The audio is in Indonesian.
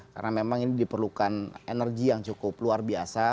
karena memang ini diperlukan energi yang cukup luar biasa